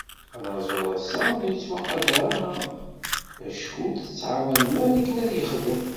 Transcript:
Anaẓur ass-a, ur yettwaqadar ara acku ur tettɛawanen ara akken ad yexdem.